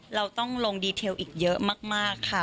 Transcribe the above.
เราต้องลงดีเทลอีกเยอะมากค่ะ